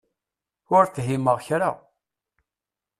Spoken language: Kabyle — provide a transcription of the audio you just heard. Ur fhimeɣ kra.